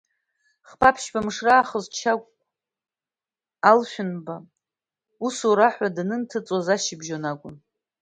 Хԥа-ԥшьба мшы раахыс Чагә Алшәындба усураҳәа данҭыҵуаз ашьыбжьон акәын.